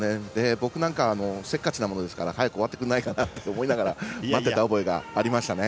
僕なんかはせっかちなものですから早く終わってくれないかなと思いながら待ってた覚えがありますね。